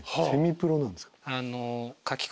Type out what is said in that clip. セミプロなんですか。